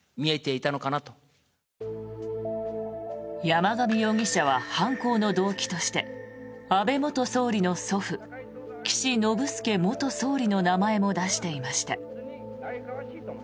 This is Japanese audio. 山上容疑者は犯行の動機として安倍元総理の祖父岸信介元総理の名前も出していました。